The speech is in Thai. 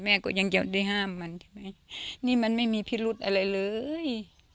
ก็ยังจะได้ห้ามมันใช่ไหมนี่มันไม่มีพิรุธอะไรเลย